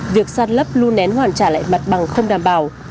việc sát lấp luôn nén hoàn trả lại mặt bằng không đảm bảo